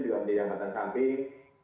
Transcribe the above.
itu juga ada kelembatan samping